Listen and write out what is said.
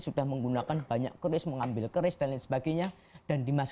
sudah menggunakan banyak keris mengambil keris dan sebagainya dan dimas